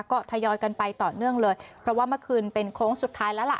ก็ทยอยกันไปต่อเนื่องเลยเพราะว่าเมื่อคืนเป็นโค้งสุดท้ายแล้วล่ะ